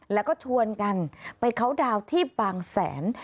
แล้วก็ชวนกันไปเคาน์ดาวน์ที่บางแสน